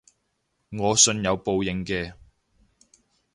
我信有報應嘅